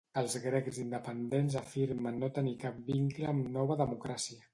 Els Grecs Independents afirmen no tenir cap vincle amb Nova Democràcia.